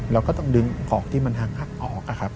เราก็ต้องดึงออกที่มันหักออกครับ